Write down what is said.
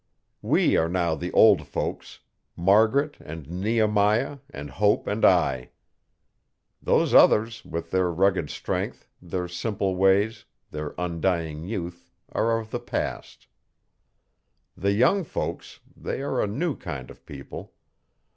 We are now the old folks Margaret and Nehemiah and Hope and I. Those others, with their rugged strength, their simple ways, their undying youth, are of the past. The young folks they are a new kind of people.